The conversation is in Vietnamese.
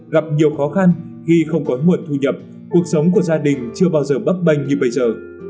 gặp nhiều khó khăn khi không có nguồn thu nhập cuộc sống của gia đình chưa bao giờ bấp bênh như bây giờ